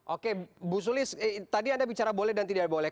oke bu sulis tadi anda bicara boleh dan tidak boleh